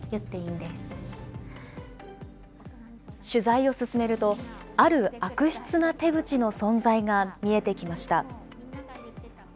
取材を進めると、ある悪質な手口の存在が見えてきました。